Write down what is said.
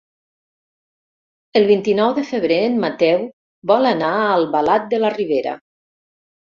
El vint-i-nou de febrer en Mateu vol anar a Albalat de la Ribera.